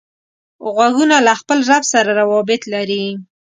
غوږونه له خپل رب سره رابط لري